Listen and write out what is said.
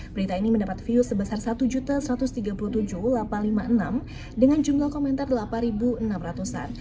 berita ini mendapat view sebesar satu satu ratus tiga puluh tujuh delapan ratus lima puluh enam dengan jumlah komentar delapan enam ratus an